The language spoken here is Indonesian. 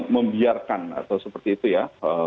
membiarkan atau seperti itu ya